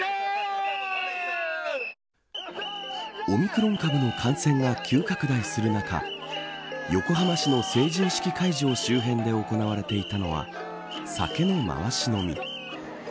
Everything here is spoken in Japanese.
オミクロン株の感染が急拡大する中横浜市の成人式会場周辺で行われていたのは酒の回し飲み。